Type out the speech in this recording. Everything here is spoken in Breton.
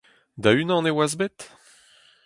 Da-unan e oas bet ?